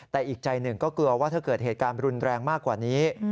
แต่อีกใจหนึ่งก็กลัวว่าถ้าเกิดเหตุการณ์รุนแรงมากกว่านี้